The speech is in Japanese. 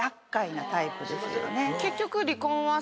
結局。